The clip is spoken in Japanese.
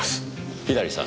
左さん。